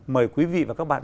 mời quý vị và các bạn